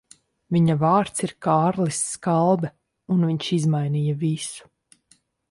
Viņa vārds ir Kārlis Skalbe, un viņš izmainīja visu.